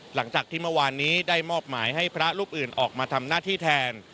หลังจากที่เมื่อวานนี้ได้มอบหมายให้พระรูปอื่นออกมาทำหน้าที่แทน